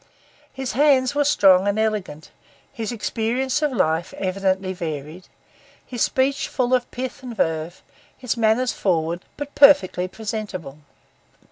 His hands were strong and elegant; his experience of life evidently varied; his speech full of pith and verve; his manners forward, but perfectly presentable.